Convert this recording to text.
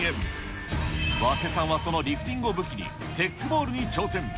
早稲さんはそのリフティングを武器に、テックボールに挑戦。